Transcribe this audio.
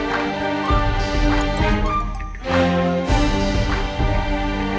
bahkan gue mudah mengajak mereka